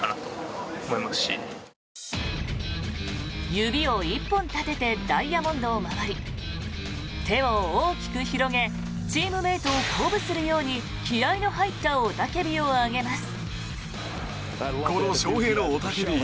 指を１本立ててダイヤモンドを回り手を大きく広げチームメートを鼓舞するように気合の入った雄たけびを上げます。